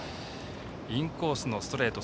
インコースのストレート